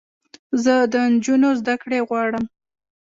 زه د انجونوو زدکړې غواړم